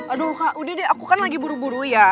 aduh kak udah deh aku kan lagi buru buru ya